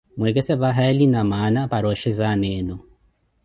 Mweekese vahali namaana para oxheza aana enu.